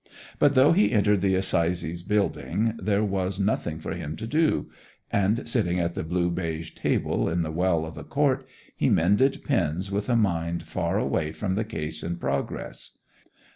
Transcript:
But though he entered the assize building there was nothing for him to do, and sitting at the blue baize table in the well of the court, he mended pens with a mind far away from the case in progress.